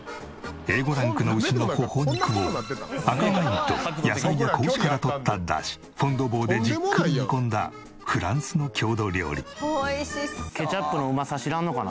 Ａ５ランクの牛の頬肉を赤ワインと野菜や子牛から取ったダシフォン・ド・ボーでじっくり煮込んだフランスの郷土料理。